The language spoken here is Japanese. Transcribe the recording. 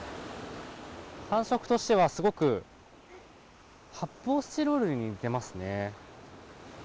感触としてはすごく発泡スチロールに似てますね。